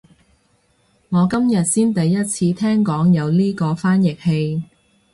我今日先第一次聽講有呢個翻譯器